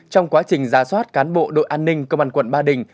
trong quá trình ra soát cán bộ đội an ninh công an quận ba đình